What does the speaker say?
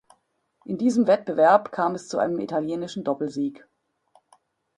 In diesem Wettbewerb kam es zu einem italienischen Doppelsieg.